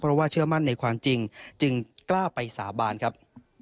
เพราะว่าเชื่อมั่นในความจริงจึงกล้าไปสาบานครับ